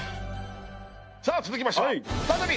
さあ続きましては再び。